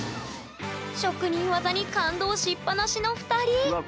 職人技に感動しっぱなしの２人うわ